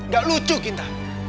gak lucu kinta